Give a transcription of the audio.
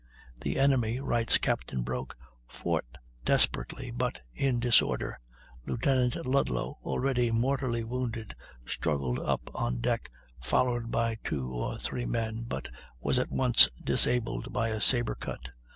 "The enemy," writes Captain Broke, "fought desperately, but in disorder." Lieutenant Ludlow, already mortally wounded, struggled up on deck followed by two or three men, but was at once disabled by a sabre cut.